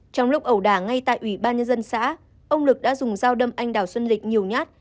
trong lúc ẩu đà ngay tại ubnd xã ông lực đã dùng dao đâm anh đào xuân lịch nhiều nhát